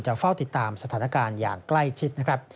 จะเฝ้าติดตามสถานการณ์อย่างใกล้ชิด